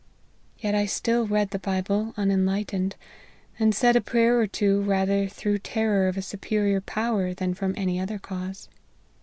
Yet I still read the Bible unenlightened ; and said a prayer or two rather through terror of a superior power than from any other cause.